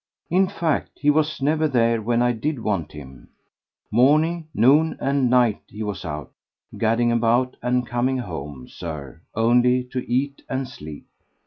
In fact he was never there when I did want him: morning, noon and night he was out—gadding about and coming home, Sir, only to eat and sleep.